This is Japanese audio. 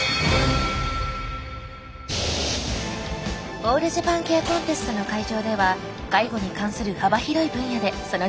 「オールジャパンケアコンテスト」の会場では介護に関する幅広い分野でその技術が競われました。